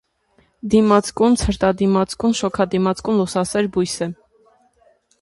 Դիմացկուն, ցրտադիմացկուն, շոգադիմացկուն, լուսասեր բույս է։